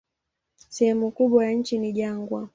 Sehemu kubwa ya nchi ni jangwa.